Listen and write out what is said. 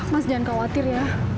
mas jangan khawatir ya